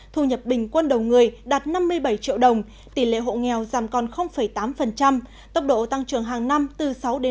thu nhập bình quân đầu người đạt năm mươi bảy triệu đồng tỷ lệ hộ nghèo giảm còn tám tốc độ tăng trưởng hàng năm từ sáu một mươi